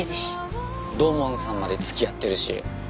土門さんまで付き合ってるし。